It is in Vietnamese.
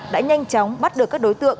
đã nhanh chóng bắt được các đối tượng